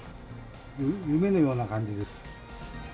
夢のような感じです。